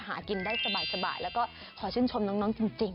หากินได้สบายแล้วก็ขอชื่นชมน้องจริง